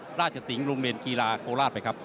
นกเอาราชสิงห์รุมเรียนกีฬาโกราชไปครับ